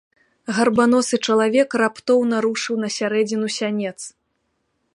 Гарбаносы чалавек раптоўна рушыў на сярэдзіну сянец.